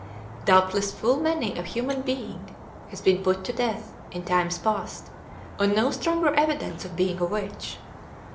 Doubtless full many a human being has been put to death, in times past, on no stronger evidence of being a witch.